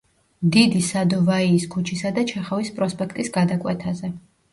დიდი სადოვაიის ქუჩისა და ჩეხოვის პროსპექტის გადაკვეთაზე.